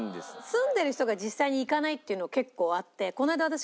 住んでる人が実際に行かないっていうの結構あって。